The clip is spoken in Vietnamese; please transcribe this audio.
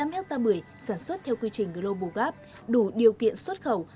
một mươi năm ha bưởi sản xuất theo quy trình global gap đủ điều kiện xuất khẩu